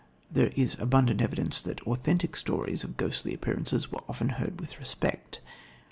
There is abundant evidence that "authentic" stories of ghostly appearances were heard with respect.